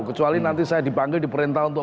kecuali nanti saya dipanggil di perintah untuk